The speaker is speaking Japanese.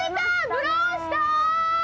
ブローした！